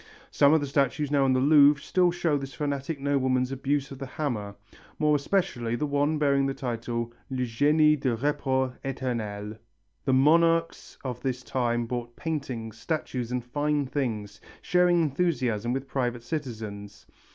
Some of the statues now in the Louvre still show this fanatic nobleman's abuse of the hammer, more especially the one bearing the title "Le Génie du repos eternel." The monarchs of this time bought paintings, statues and fine things, sharing enthusiasm with private citizens.